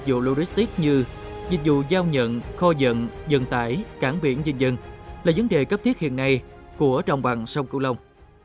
dịch vụ giao nhận kho dận dân tải cảng biển dân dân là vấn đề cấp thiết hiện nay của đồng bằng sông cửu long